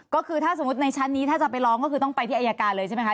ก็คือถ้าสมมุติในชั้นนี้ถ้าจะไปร้องก็คือต้องไปที่อายการเลยใช่ไหมคะ